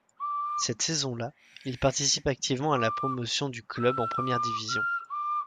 Cette saison-là, il participe activement à la promotion du club en première division.